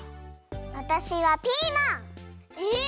わたしはピーマン！え！？